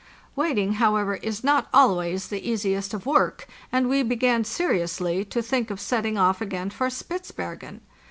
Waiting, however, is not always the easiest of work, and we began seriously to think of set ting off again for Spitzbergen.